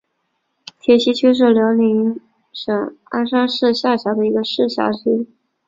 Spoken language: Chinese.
铁西区是辽宁省鞍山市下辖的一个市辖区。